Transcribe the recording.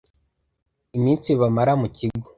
Iminsi bamara mu kigo